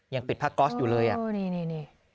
ยังปิดผ้าก๊อสอยู่เลยอ่ะนี่